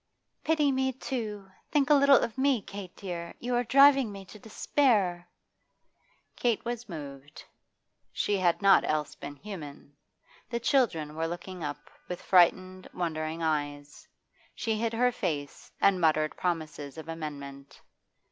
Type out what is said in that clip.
'Pity me, too! Think a little of me, Kate dear! You are driving me to despair.' Kate was moved, she had not else been human. The children were looking up with frightened, wondering eyes. She hid her face and muttered promises of amendment.